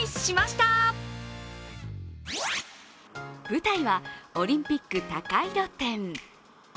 舞台は、オリンピック高井戸店。